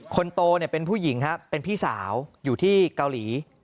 คนโตเนี่ยเป็นผู้หญิงครับเป็นพี่สาวอยู่ที่เกาหลี